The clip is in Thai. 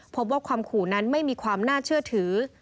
พบว่าความขู่นั้นไม่มีความน่าเชื่อถือ